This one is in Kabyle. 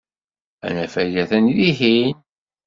Anafag atan dihin.